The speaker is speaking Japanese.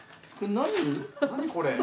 何これ？